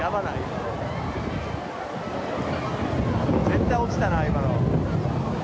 絶対落ちたな、今の。